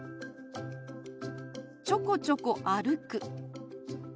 「ちょこちょこ歩く」。